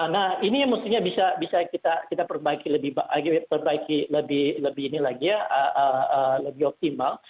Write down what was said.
nah ini yang mestinya bisa kita perbaiki lebih optimal